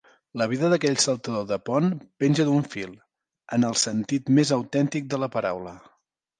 La vida d'aquell saltador de pont penja d'un fil, en el sentit més autèntic de la paraula.